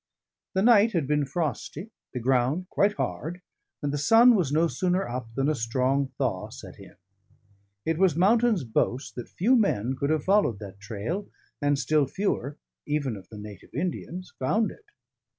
The night had been frosty, the ground quite hard; and the sun was no sooner up than a strong thaw set in. It was Mountain's boast that few men could have followed that trail, and still fewer (even of the native Indians) found it.